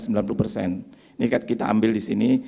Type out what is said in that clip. ini kan kita ambil di sini